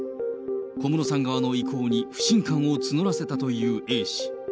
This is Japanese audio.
小室さん側の意向に不信感を募らせたというＡ氏。